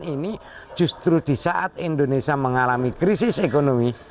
seribu sembilan ratus sembilan puluh delapan ini justru di saat indonesia mengalami krisis ekonomi